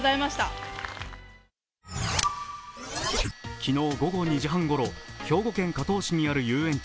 昨日午後２時半ごろ兵庫県加東市にある遊園地